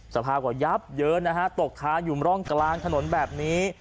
สภาพก็ยับเยินนะฮะตกค้าอยู่ร่องกลางถนนแบบนี้